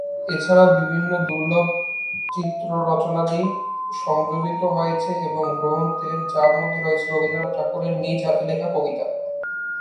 এছাড়াও বিভিন্ন দূর্লভ চিত্র-রচনাদি সংযোজিত হয়েছে এই গ্রন্থে, যার মধ্যে রয়েছে রবীন্দ্রনাথ ঠাকুরের নিজ হাতে লেখা কবিতা।